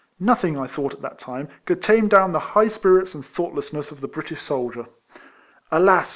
Nothing, I thought at that time, could tame down the high spirits and thoughtlessness of the British soldier. Alas!